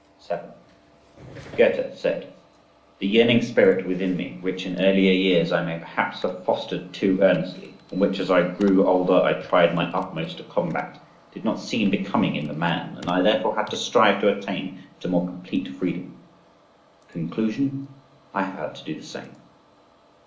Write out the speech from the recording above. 7. Goethe said: "The yearning spirit within me, which in earlier years I may perhaps have fostered too earnestly, and which as I grew older I tried my utmost to combat, did not seem becoming in the man, and I therefore had to strive to attain to more complete freedom." Conclusion?—I have had to do the same.